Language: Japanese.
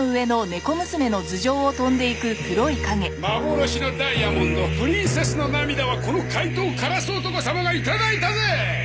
幻のダイヤモンド「プリンセスの涙」はこの怪盗カラス男様がいただいたぜ！